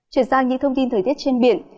chuyển sang những thông tin thời tiết trên biển